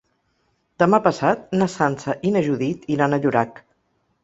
Demà passat na Sança i na Judit iran a Llorac.